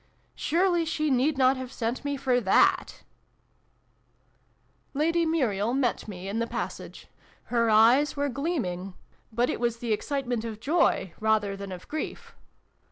" Surely she need not have sent for me for that !" Lady Muriel met me in the passage. Her eyes were gleaming but it was the excite ment of joy, rather than of grief.